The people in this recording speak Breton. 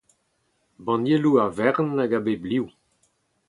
Bannieloù a-vern hag a bep liv.